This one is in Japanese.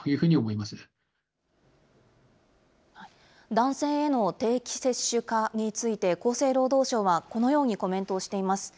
男性への定期接種化について、厚生労働省はこのようにコメントをしています。